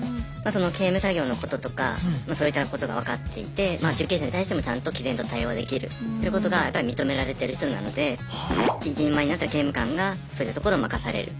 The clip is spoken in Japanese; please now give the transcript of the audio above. その刑務作業のこととかそういったことが分かっていて受刑者に対してもちゃんときぜんと対応できるということがやっぱ認められてる人なので一人前になった刑務官がそういったところを任される。